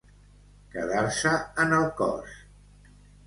Quedar-se en el cos.